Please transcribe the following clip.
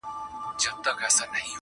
په مجلس نه مړېدل سره خواږه وه-